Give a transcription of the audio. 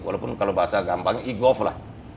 walaupun kalau bahasa gampangnya e gov lah